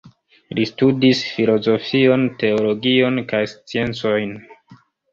Li studis filozofion, teologion kaj sciencojn.